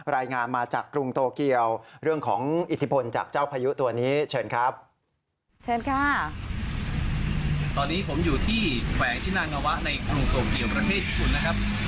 รายงานมาจากกรุงโตเกียวเรื่องของอิทธิพลจากเจ้าพายุตัวนี้เชิญครับ